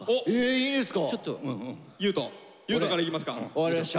いいですか？